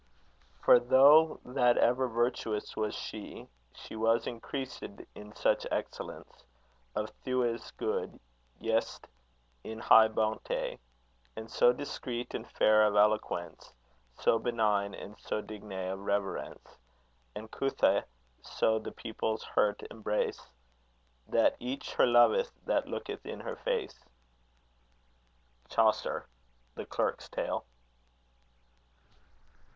For though that ever virtuous was she, She was increased in such excellence, Of thewes good, yset in high bounte, And so discreet and fair of eloquence, So benign, and so digne of reverence, And couthe so the poeple's hert embrace, That each her loveth that looketh in her face. CHAUCER. The Clerk's Tale.